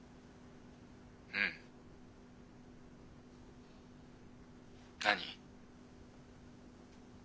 うん。何？